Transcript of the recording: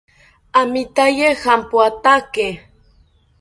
Amitaye jampoatake